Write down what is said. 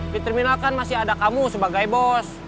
di terminal kan masih ada kamu sebagai bos